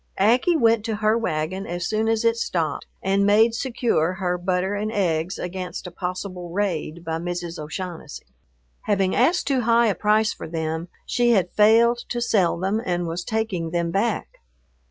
Aggie went to her wagon as soon as it stopped and made secure her butter and eggs against a possible raid by Mrs. O'Shaughnessy. Having asked too high a price for them, she had failed to sell them and was taking them back.